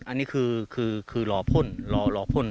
อันนี้คือหล่อพ่น